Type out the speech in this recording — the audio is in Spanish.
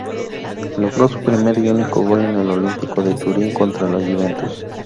Logró su primer y único gol en el Olímpico de Turín contra la Juventus.